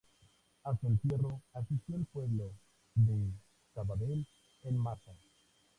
A su entierro asistió el pueblo de Sabadell en masa.